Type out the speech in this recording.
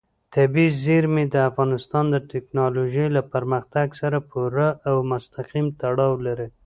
طبیعي زیرمې د افغانستان د تکنالوژۍ له پرمختګ سره پوره او مستقیم تړاو لري.